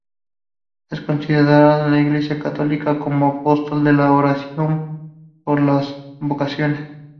Es considerado en la Iglesia católica como apóstol de la oración por las vocaciones.